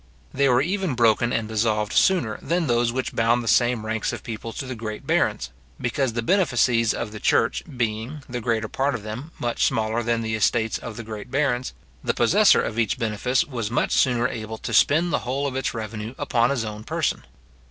They were even broken and dissolved sooner than those which bound the same ranks of people to the great barons; because the benefices of the church being, the greater part of them, much smaller than the estates of the great barons, the possessor of each benefice was much sooner able to spend the whole of its revenue upon his own person.